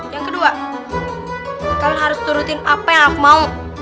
yang kedua kalian harus turutin apa yang aku mau